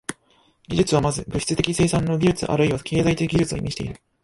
技術は先ず物質的生産の技術あるいは経済的技術を意味している。